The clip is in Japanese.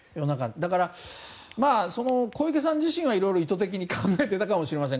だから、小池さん自身は色々、意図的に考えていたかもしれません。